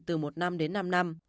từ một năm đến năm năm